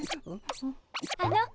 あの。